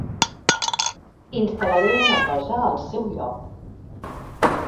Instal·laré una cosa al seu lloc.